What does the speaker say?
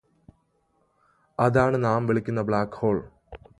അതാണ് നാം വിളിക്കുന്ന ബ്ലാക്ക്ഹോൾ